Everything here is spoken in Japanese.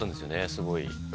すごい。